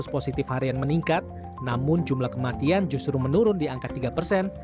kasus positif harian meningkat namun jumlah kematian justru menurun di angka tiga persen